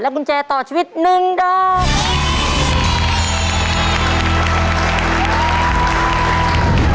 และกุญแจต่อชีวิตหนึ่งดอก